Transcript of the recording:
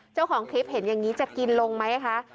เจ้าของคลิปเห็นอย่างนี้จะกินลงไหมคะ